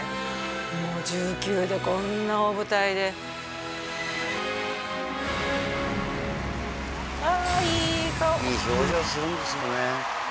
もう１９でこんな大舞台でああいい顔いい表情するんですよね